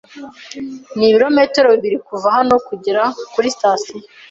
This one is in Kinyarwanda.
Nibirometero bibiri kuva hano kugera kuri sitasiyo.